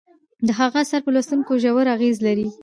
د هغه اثار په لوستونکو ژور اغیز لري.